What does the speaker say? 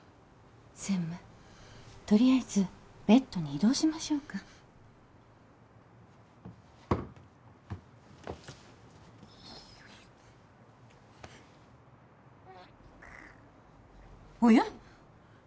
専務とりあえずベッドに移動しましょうかおや？